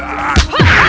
nah nyawar gugur mikir